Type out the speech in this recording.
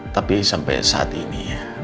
tapi sampai saat ini